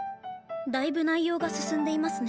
だいぶ内容が進んでいますね。